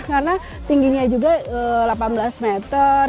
karena tingginya juga delapan belas meter